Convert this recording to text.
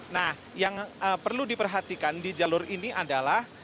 nah yang perlu diperhatikan di jalur ini adalah